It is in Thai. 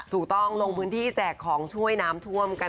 ถูกต้องลงพื้นที่จากของช่วยน้ำทรวมกัน